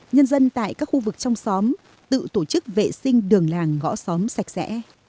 nhân dân tại các khu vực trong xóm tự tổ chức vệ sinh đường làng ngõ xóm sạch sẽ